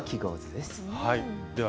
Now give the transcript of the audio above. では